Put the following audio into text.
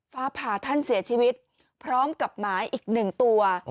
ฟ้าผ่าท่านเสียชีวิตพร้อมกับหมายอีกหนึ่งตัว